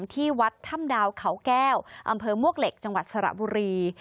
ที่วัดถ้ำดาวเขาแก้วอำเภอมวกเหล็กจังหวัดสระบุรี